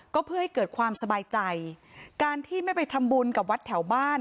ก็เพื่อให้เกิดความสบายใจการที่ไม่ไปทำบุญกับวัดแถวบ้าน